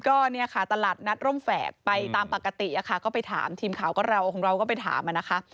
ก็เนี่ยค่ะตลาดนัดร่มแฝกไปตามปกติอะค่ะก็ไปถามทีมข่าวก็เราของเราก็ไปถามอะนะคะ